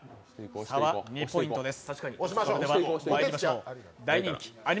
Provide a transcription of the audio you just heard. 差は２ポイントです。